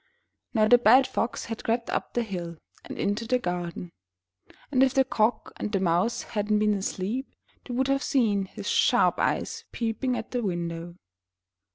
Now the bad Fox had crept up the hill, and into the garden, and if the Cock and Mouse hadn't been asleep, they would have seen his sharp eyes peeping in at the window.